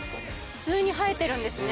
普通に生えてるんですね